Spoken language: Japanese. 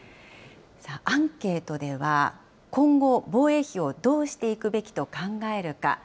さあ、アンケートでは、今後、防衛費をどうしていくべきと考えるか。